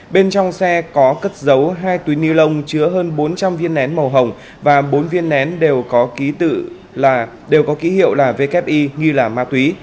bên trong xe có cất dấu hai túi ni lông chứa hơn bốn trăm linh viên nén màu hồng và bốn viên nén đều có ký hiệu là vkpy nghi là ma túy